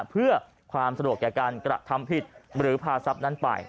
เพื่อความสะดวกแก่การกระทำผิดหรือพาทรัพย์นั้นไป